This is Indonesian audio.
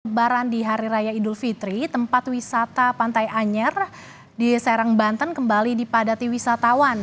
lebaran di hari raya idul fitri tempat wisata pantai anyer di serang banten kembali dipadati wisatawan